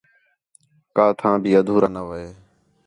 کا تھاں بھی اَدھورا نہ وے